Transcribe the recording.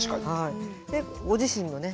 でご自身のね